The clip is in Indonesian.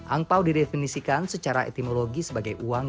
angpau didefinisikan secara etimologi sebagai uang